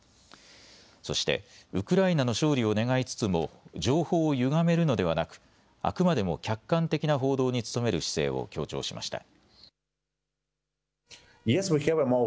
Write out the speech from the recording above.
そして、ウクライナの勝利を願いつつも情報をゆがめるのではなく、あくまでも客観的な報道に努める姿勢を強調しました。